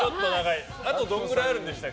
あとどれぐらいあるんでしたっけ。